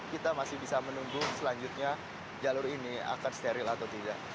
kita masih bisa menunggu selanjutnya jalur ini akan steril atau tidak